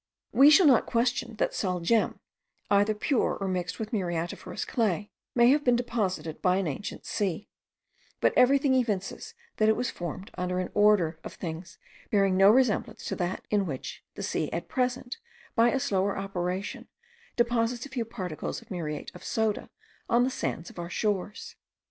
We shall not question, that sal gem, either pure or mixed with muriatiferous clay, may have been deposited by an ancient sea; but everything evinces that it was formed during an order of things bearing no resemblance to that in which the sea at present, by a slower operation, deposits a few particles of muriate of soda on the sands of our shores.